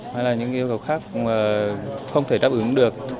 hay là những yêu cầu khác không thể đáp ứng được